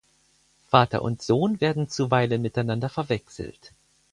Vater und Sohn werden zuweilen miteinander verwechselt.